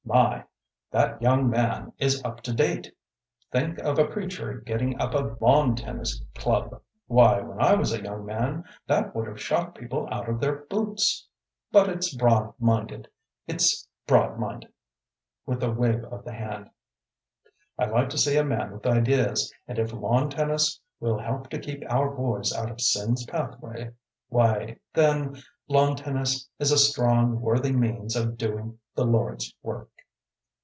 My! that young man is up to date. Think of a preacher getting up a lawn tennis club! Why, when I was a young man that would have shocked people out of their boots. But it's broad minded, it's broad minded," with a wave of the hand. "I like to see a man with ideas, and if lawn tennis will help to keep our boys out of sin's pathway, why, then, lawn tennis is a strong, worthy means of doing the Lord's work."